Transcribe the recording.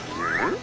ん？